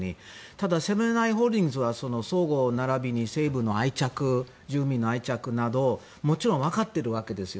ただ、セブン＆アイ・ホールディングスはそごう並びに西武の愛着住民の愛着などももちろんわかっているわけですよ。